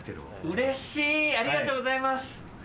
うれしいありがとうございます。